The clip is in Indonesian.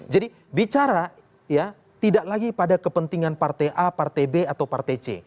jadi bicara tidak lagi pada kepentingan partai a partai b atau partai c